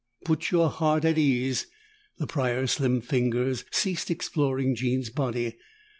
"Put your heart at ease." The Prior's slim fingers ceased exploring Jean's body.